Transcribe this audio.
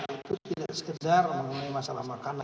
itu tidak sekedar mengenai masalah makanan